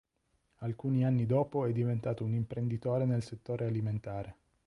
Alcuni anni dopo è diventato un imprenditore nel settore alimentare.